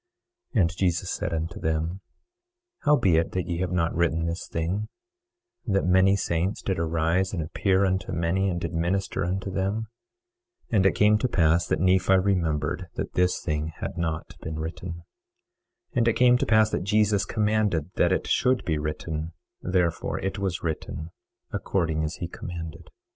23:11 And Jesus said unto them: How be it that ye have not written this thing, that many saints did arise and appear unto many and did minister unto them? 23:12 And it came to pass that Nephi remembered that this thing had not been written. 23:13 And it came to pass that Jesus commanded that it should be written; therefore it was written according as he commanded.